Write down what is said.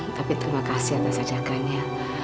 tapi terima kasih atas ajakannya